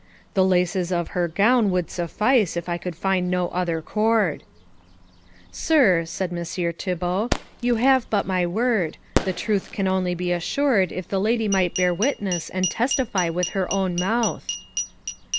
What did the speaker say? The laces of her gown would suffice if I could find no other cord." "Sir," said Messire Thibault, "you have but my word. The truth can only be assured if the lady might bear witness and testify with her own mouth."